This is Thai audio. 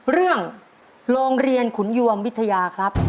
เรื่องโรงเรียนขุนยวมวิทยาครับ